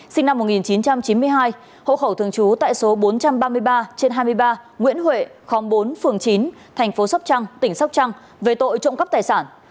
sinh năm một nghìn chín trăm chín mươi hai hộ khẩu thường trú tại số bốn trăm ba mươi ba trên hai mươi ba nguyễn huệ khóm bốn phường chín thành phố sóc trăng tỉnh sóc trăng về tội trộm cắp tài sản